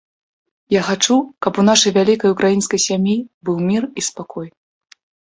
Я хачу, каб у нашай вялікай ўкраінскай сям'і быў мір і спакой.